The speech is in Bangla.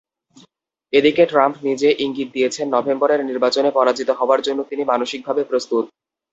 এদিকে ট্রাম্প নিজে ইঙ্গিত দিয়েছেন, নভেম্বরের নির্বাচনে পরাজিত হওয়ার জন্য তিনি মানসিকভাবে প্রস্তুত।